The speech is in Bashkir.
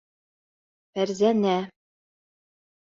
Фәрзәнә...